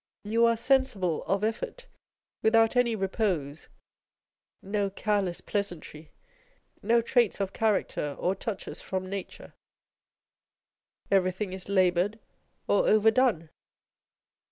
You are sensible of effort without any repose â€" no careless pleasantry â€" no traits of character or touches from natureâ€" everything is laboured or overdone.